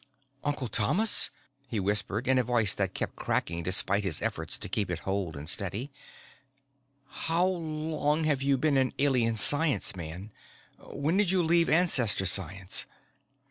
"Uncle Thomas," he whispered, in a voice that kept cracking despite his efforts to keep it whole and steady, "how long have you been an Alien Science man? When did you leave Ancestor Science?"